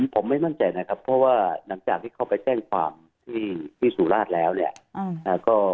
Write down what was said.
ผมไม่มั่นใจนะครับเพราะว่าหลังจากที่เขาไปแจ้งความที่สุราชแล้วเนี่ย